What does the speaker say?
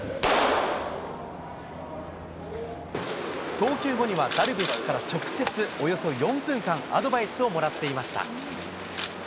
投球後には、ダルビッシュから直接およそ４分間アドバイスをもらっていました。